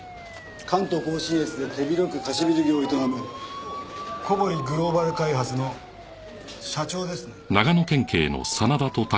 関東甲信越で手広く貸しビル業を営む小堀グローバル開発の社長ですね。